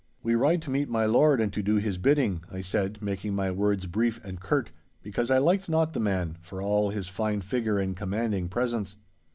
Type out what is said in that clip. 'We ride to meet my lord, and to do his bidding!' I said, making my words brief and curt, because I liked not the man, for all his fine figure and commanding presence.